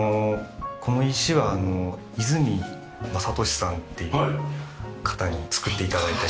この石は和泉正敏さんっていう方に作って頂いて。